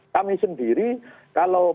kami sendiri kalau